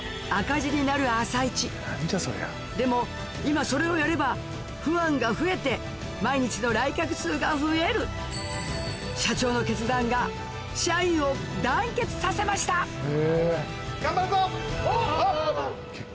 でも今それをやればファンが増えて毎日の来客数が増える社長の決断が社員を団結させました頑張るぞお！